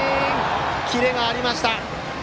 キレがありました。